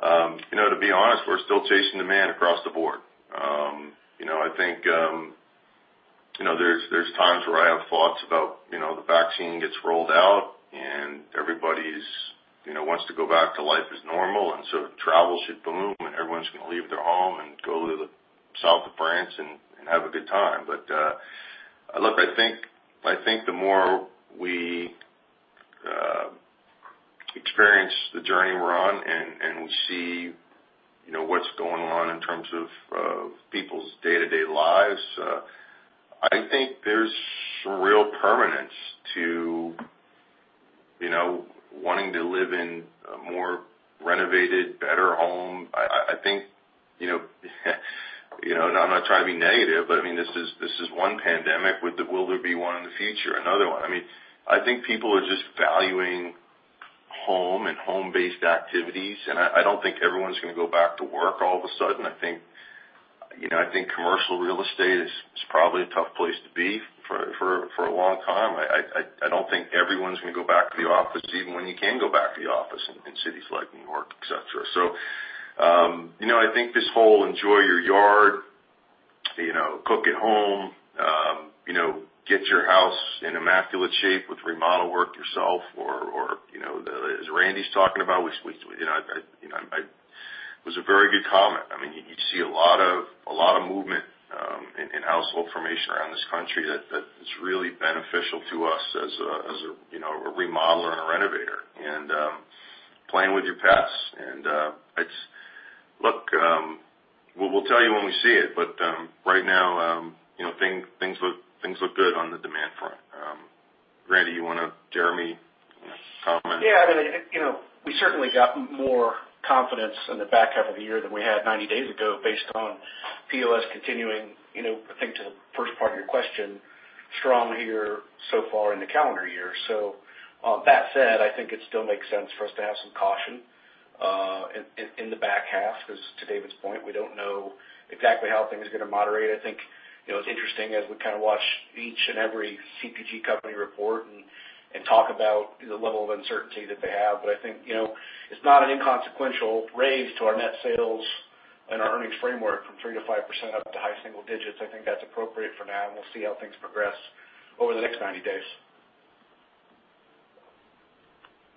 To be honest, we're still chasing demand across the board. I think there's times where I have thoughts about the vaccine gets rolled out, and everybody wants to go back to life as normal, and so travel should boom, and everyone's going to leave their home and go to the south of France and have a good time. Look, I think the more we experience the journey we're on, and we see what's going on in terms of people's day-to-day lives, I think there's some real permanence to wanting to live in a more renovated, better home. I'm not trying to be negative, but this is one pandemic. Will there be one in the future? Another one? I think people are just valuing home and home-based activities. I don't think everyone's going to go back to work all of a sudden. I think commercial real estate is probably a tough place to be for a long time. I don't think everyone's going to go back to the office, even when you can go back to the office in cities like New York, et cetera. I think this whole enjoy your yard, cook at home, get your house in immaculate shape with remodel work yourself, or as Randy's talking about, it was a very good comment. You see a lot of movement in household formation around this country that is really beneficial to us as a remodeler and a renovator. Playing with your pets. Look, we'll tell you when we see it, but right now things look good on the demand front. Randy, you want to, Jeremy, comment? We certainly got more confidence in the back half of the year than we had 90 days ago based on POS continuing, I think to the first part of your question, strong here so far in the calendar year. That said, I think it still makes sense for us to have some caution in the back half, because to David's point, we don't know exactly how things are going to moderate. I think it's interesting as we kind of watch each and every CPG company report and talk about the level of uncertainty that they have. I think it's not an inconsequential raise to our net sales and our earnings framework from 3%-5% up to high single digits. I think that's appropriate for now, and we'll see how things progress over the next 90 days.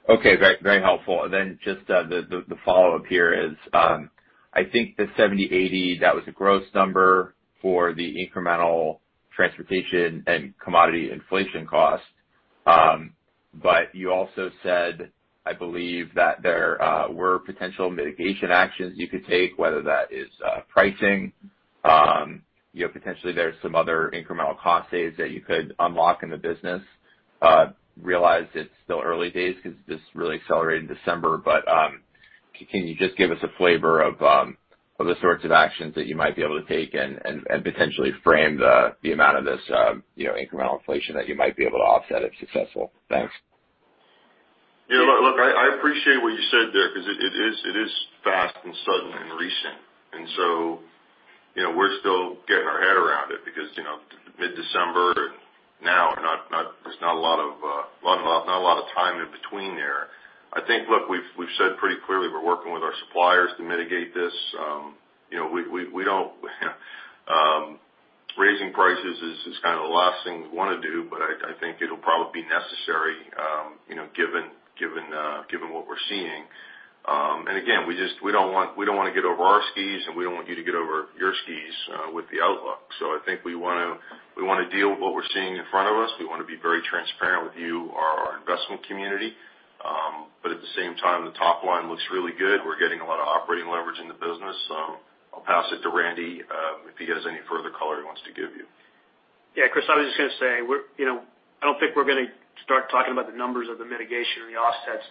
Okay. Very helpful. Just the follow-up here is, I think the $70 million-$80 million, that was a gross number for the incremental transportation and commodity inflation cost. You also said, I believe that there were potential mitigation actions you could take, whether that is pricing, potentially there's some other incremental cost saves that you could unlock in the business. Realize it's still early days because this really accelerated in December. Can you just give us a flavor of the sorts of actions that you might be able to take and potentially frame the amount of this incremental inflation that you might be able to offset, if successful? Thanks. Yeah. Look, I appreciate what you said there, because it is fast and sudden and recent. We're still getting our head around it because mid-December and now, there's not a lot of time in between there. I think, look, we've said pretty clearly we're working with our suppliers to mitigate this. Raising prices is kind of the last thing we want to do, but I think it'll probably be necessary given what we're seeing. Again, we don't want to get over our skis, and we don't want you to get over your skis with the outlook. I think we want to deal with what we're seeing in front of us. We want to be very transparent with you, our investment community. At the same time, the top line looks really good. We're getting a lot of operating leverage in the business. I'll pass it to Randy if he has any further color he wants to give you. Yeah, Chris, I was just going to say, I don't think we're going to start talking about the numbers of the mitigation or the offsets.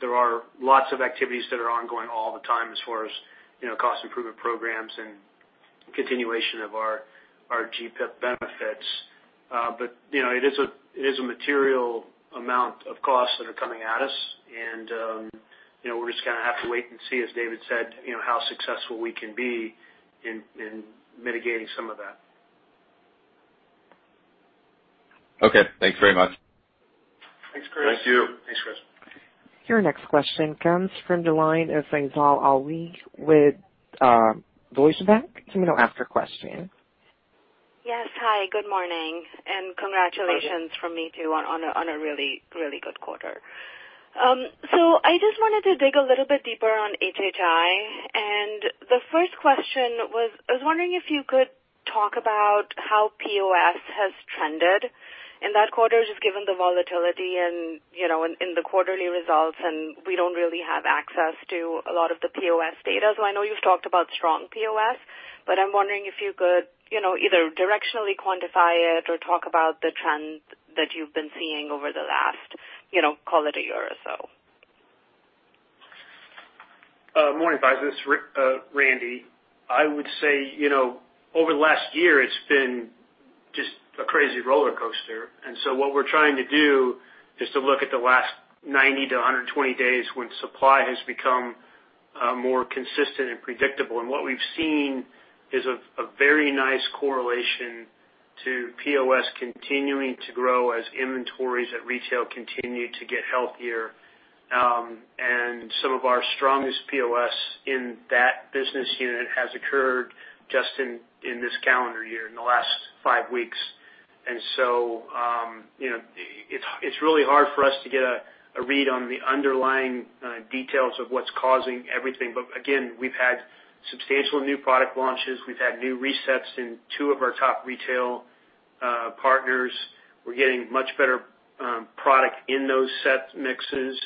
There are lots of activities that are ongoing all the time as far as cost improvement programs and continuation of our GPIP benefits. It is a material amount of costs that are coming at us, and we're just going to have to wait and see, as David said, how successful we can be in mitigating some of that. Okay. Thanks very much. Thanks, Chris. Thank you. Thanks, Chris. Your next question comes from the line of Faiza Alwy with Deutsche Bank. You may now ask your question. Yes. Hi, good morning, congratulations from me, too, on a really good quarter. I just wanted to dig a little bit deeper on HHI. The first question was, I was wondering if you could talk about how POS has trended in that quarter, just given the volatility in the quarterly results, and we don't really have access to a lot of the POS data. I know you've talked about strong POS, but I'm wondering if you could either directionally quantify it or talk about the trend that you've been seeing over the last calendar year or so. Morning, Faiza. This is Randy. I would say over the last year, it's been just a crazy rollercoaster. What we're trying to do is to look at the last 90-120 days when supply has become more consistent and predictable. What we've seen is a very nice correlation to POS continuing to grow as inventories at retail continue to get healthier. Some of our strongest POS in that business unit has occurred just in this calendar year, in the last five weeks. It's really hard for us to get a read on the underlying details of what's causing everything. Again, we've had substantial new product launches. We've had new resets in two of our top retail partners. We're getting much better product in those set mixes.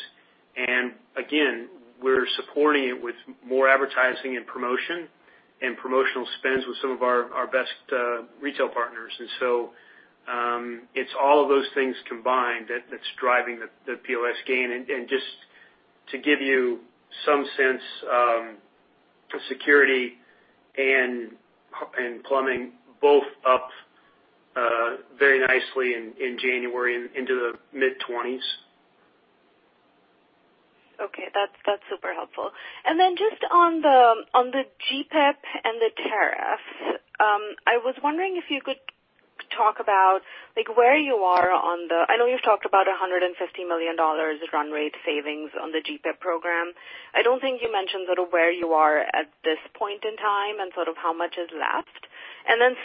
Again, we're supporting it with more advertising and promotion and promotional spends with some of our best retail partners. It's all of those things combined that's driving the POS gain. Just to give you some sense, security and plumbing, both up very nicely in January into the mid-twenties. Okay. That's super helpful. Just on the GPIP and the tariff, I was wondering if you could talk about where you are. I know you've talked about $150 million run rate savings on the GPIP program. I don't think you mentioned sort of where you are at this point in time and sort of how much is left.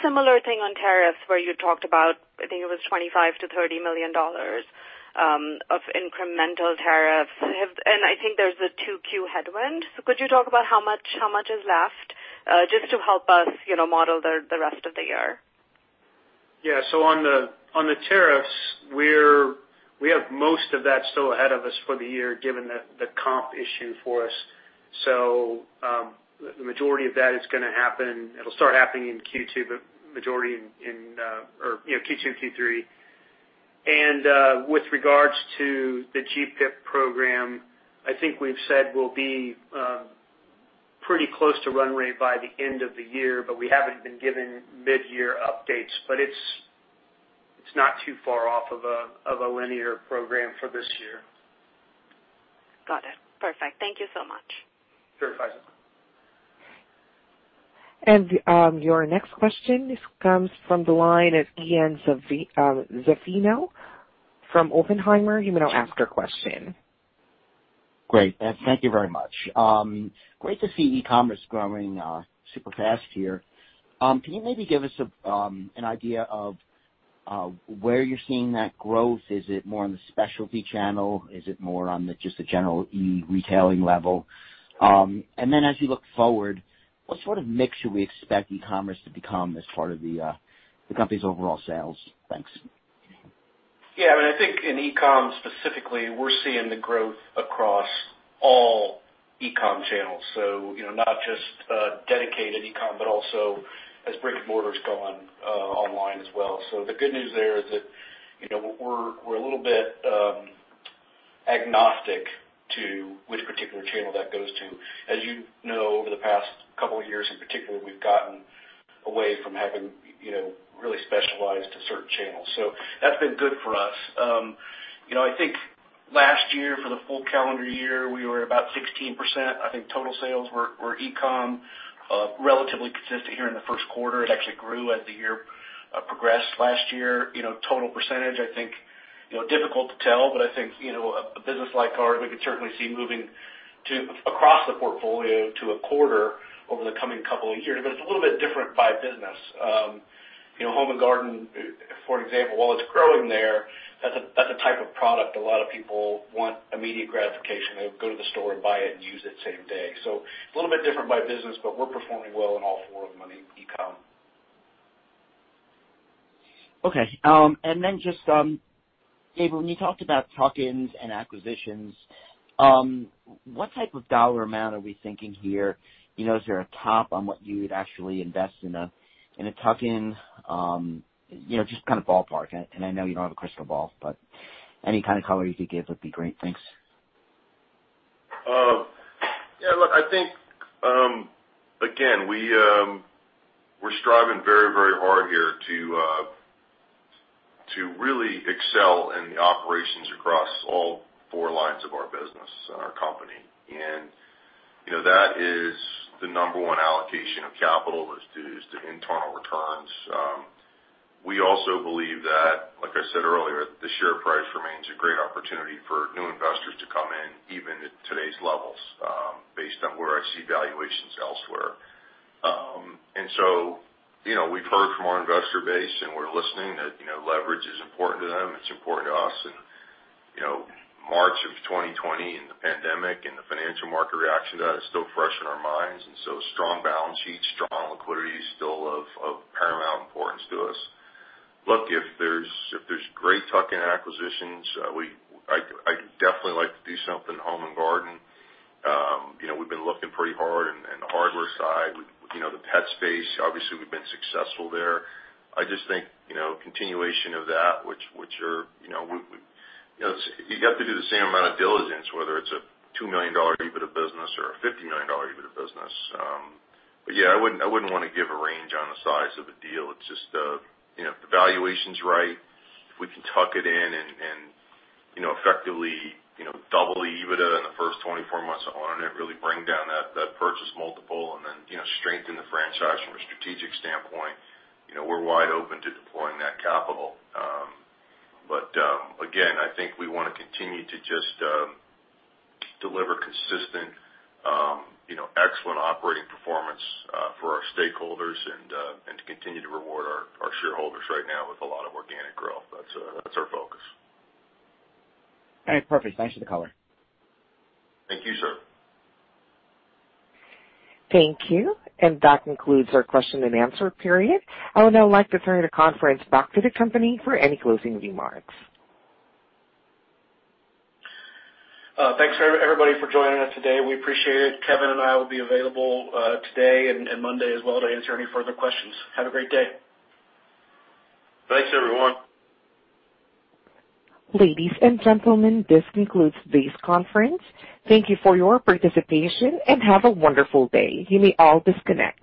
Similar thing on tariffs, where you talked about, I think it was $25 million-$30 million of incremental tariffs. I think there's a 2Q headwind. Could you talk about how much is left? Just to help us model the rest of the year. Yeah. On the tariffs, we have most of that still ahead of us for the year, given the comp issue for us. The majority of that is going to happen. It'll start happening in Q2, but majority in Q2 and Q3. With regards to the GPIP program, I think we've said we'll be pretty close to run rate by the end of the year, but we haven't been given mid-year updates. It's not too far off of a linear program for this year. Got it. Perfect. Thank you so much. Sure. Thanks. Your next question comes from the line at Ian Zaffino from Oppenheimer. You may now ask your question. Great, thank you very much. Great to see e-commerce growing super fast here. Can you maybe give us an idea of where you're seeing that growth? Is it more on the specialty channel? Is it more on just the general e-retailing level? Then as you look forward, what sort of mix should we expect e-commerce to become as part of the company's overall sales? Thanks. Yeah, I think in e-com specifically, we're seeing the growth across all e-com channels. Not just dedicated e-com, but also as brick and mortars gone online as well. The good news there is that we're a little bit agnostic to which particular channel that goes to. As you know, over the past couple of years, in particular, we've gotten away from having really specialized to certain channels. That's been good for us. I think last year, for the full calendar year, we were about 16%, I think total sales were e-com, relatively consistent here in the first quarter. It actually grew as the year progressed last year. Total percentage, I think difficult to tell, but I think a business like ours, we could certainly see moving across the portfolio to a quarter over the coming couple of years. It's a little bit different by business. Home & Garden, for example, while it's growing there, that's a type of product a lot of people want immediate gratification. They'll go to the store and buy it and use it same day. A little bit different by business, but we're performing well in all four of them on e-com. Okay. Just, Dave, when you talked about tuck-ins and acquisitions, what type of dollar amount are we thinking here? Is there a top on what you would actually invest in a tuck-in? Just kind of ballpark it, and I know you don't have a crystal ball, but any kind of color you could give would be great. Thanks. Yeah, look, I think, again, we're striving very hard here to really excel in the operations across all four lines of our business and our company. That is the number one allocation of capital is to internal returns. We also believe that, like I said earlier, the share price remains a great opportunity for new investors to come in, even at today's levels, based on where I see valuations elsewhere. We've heard from our investor base, and we're listening, that leverage is important to them. It's important to us. March of 2020 and the pandemic and the financial market reaction to that is still fresh in our minds, and so strong balance sheets, strong liquidity is still of paramount importance to us. Look, if there's great tuck-in acquisitions, I'd definitely like to do something Home & Garden. We've been looking pretty hard in the hardware side. The pet space, obviously, we've been successful there. I just think a continuation of that, which are, you have to do the same amount of diligence, whether it's a $2 million EBITDA business or a $50 million EBITDA business. Yeah, I wouldn't want to give a range on the size of a deal. It's just if the valuation's right, if we can tuck it in and effectively double the EBITDA in the first 24 months to own it, really bring down that purchase multiple and then strengthen the franchise from a strategic standpoint, we're wide open to deploying that capital. Again, I think we want to continue to just deliver consistent excellent operating performance for our stakeholders and to continue to reward our shareholders right now with a lot of organic growth. That's our focus. All right. Perfect. Thanks for the color. Thank you, sir. Thank you. That concludes our question and answer period. I would now like to turn the conference back to the company for any closing remarks. Thanks, everybody, for joining us today. We appreciate it. Kevin and I will be available today and Monday as well to answer any further questions. Have a great day. Thanks, everyone. Ladies and gentlemen, this concludes this conference. Thank you for your participation and have a wonderful day. You may all disconnect.